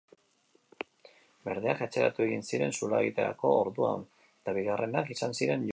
Berdeak atzeratu egin ziren zuloa egiterako orduan, eta bigarrenak izan ziren jokoan.